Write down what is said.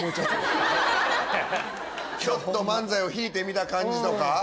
ちょっと漫才を引いて見た感じとか。